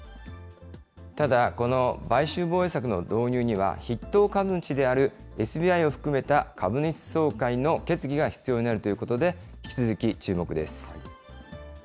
ただ、この買収防衛策の導入には、筆頭株主であるＳＢＩを含めた株主総会の決議が必要になるということで、引き続き注目です。